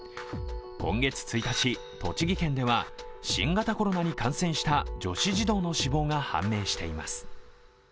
今月１日、栃木県では新型コロナに感染した女子児童の死亡が判明しています。